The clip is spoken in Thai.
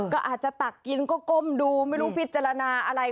ก็อาจจะตักกินก็ก้มดูไม่รู้พิจารณาอะไร